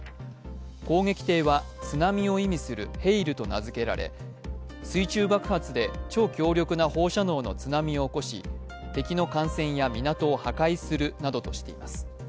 攻撃艇は津波を意味するヘイルと名付けられ、水中爆発で超強力な放射能の津波を起こし敵の艦船や港を破壊するなどとしています。